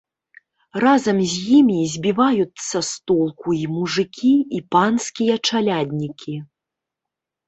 Разам з імі збіваюцца з толку і мужыкі, і панскія чаляднікі.